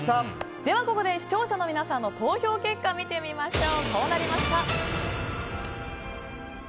ではここで視聴者の皆さんの投票結果を見てみましょう。